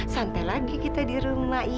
santai lagi kita di rumah